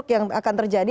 apa yang akan terjadi